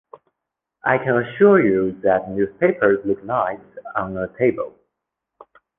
I can assure you that newspapers look nice on a table.